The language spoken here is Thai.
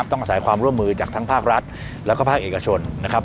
ต้องอาศัยความร่วมมือจากทั้งภาครัฐแล้วก็ภาคเอกชนนะครับ